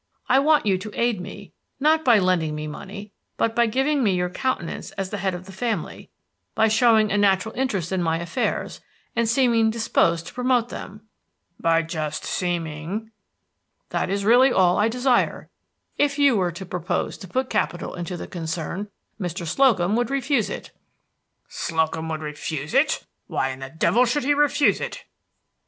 I want you to aid me, not by lending me money, but by giving me your countenance as the head of the family, by showing a natural interest in my affairs, and seeming disposed to promote them." "By just seeming?" "That is really all I desire. If you were to propose to put capital into the concern, Mr. Slocum would refuse it." "Slocum would refuse it! Why in the devil should he refuse it?"